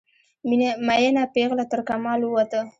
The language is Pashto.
میینه پیغله ترکمال ووته